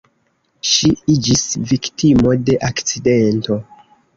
Ŝi iĝis viktimo de akcidento.